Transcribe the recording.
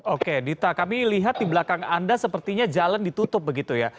oke dita kami lihat di belakang anda sepertinya jalan ditutup begitu ya